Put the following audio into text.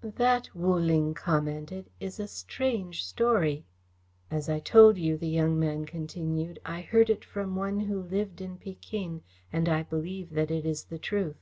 "That," Wu Ling commented, "is a strange story." "As I told you," the young man continued, "I heard it from one who lived in Pekin and I believe that it is the truth.